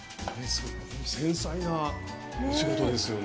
繊細なお仕事ですよね。